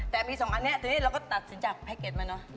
แต่มี๒อันนี้เราก็ตัดสินจากแพ็กเกจมาเนอะ